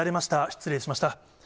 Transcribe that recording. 失礼しました。